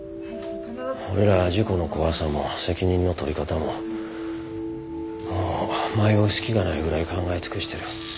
俺ら事故の怖さも責任の取り方ももう迷う隙がないぐらい考え尽くしてる。